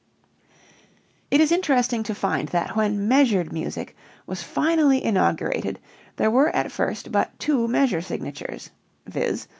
It is interesting to find that when "measured music" was finally inaugurated there were at first but two measure signatures, viz.